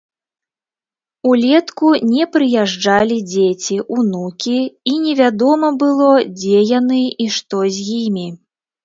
Улетку не прыязджалі дзеці, унукі, і невядома было, дзе яны і што з імі.